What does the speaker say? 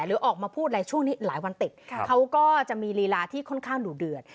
หรือออกมาพูดอะไรช่วงนี้หลายวันติดเขาก็จะมีลีลาที่ค่อนข้างดุเดือด